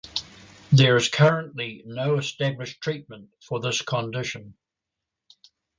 There is currently no established treatment for this condition.